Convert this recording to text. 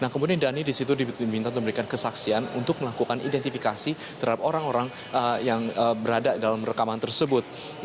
nah kemudian dhani di situ diminta untuk memberikan kesaksian untuk melakukan identifikasi terhadap orang orang yang berada dalam rekaman tersebut